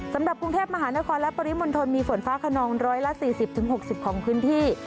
สำหรับกรุงเทพมหานครและปริมณฑลมีฝนฟ้าขนอง๑๔๐๖๐ของพื้นที่